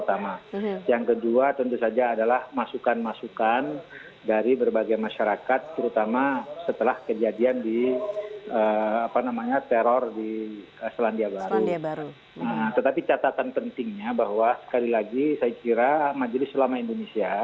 tetapi catatan pentingnya bahwa sekali lagi saya kira majelis ulama indonesia